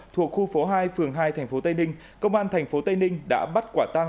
thuộc khu phố hai phường hai thành phố tây ninh công an thành phố tây ninh đã bắt quả tăng